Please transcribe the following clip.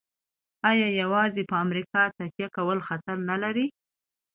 آیا یوازې په امریکا تکیه کول خطر نلري؟